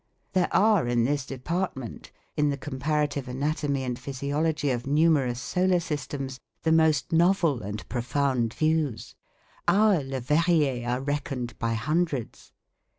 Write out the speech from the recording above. There are in this department, in the comparative anatomy and physiology of numerous solar systems, the most novel and profound views. Our Leverriers are reckoned by hundreds.